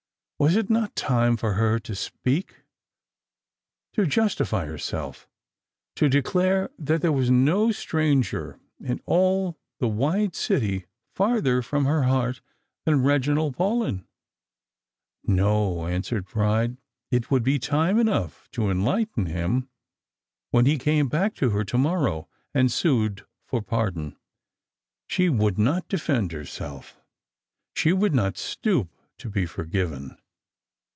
Was it not time for her to sj^eak, to 'ustify herself, to declare that there was no stranger in all that vide city farther from her heart than Reginald Paulyn ? No, answered pride; it would be time enough to enlighten him )fhen he came back to her to morrow and sued for pardon. She f/ould not defend herself — she would not stoop to be forgiven.